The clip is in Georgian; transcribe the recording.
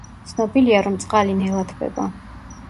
ცნობილია, რომ წყალი ნელა თბება.